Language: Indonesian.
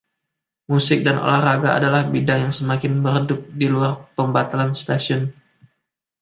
Musik dan olahraga adalah bidang yang semakin meredup di luar pembatalan stasiun.